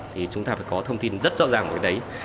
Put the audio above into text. thì chúng ta phải có thông tin rất rõ ràng về đấy